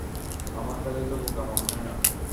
আমার কাছে তো বোকা মনে হয় না।